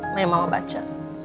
ini yang mama baca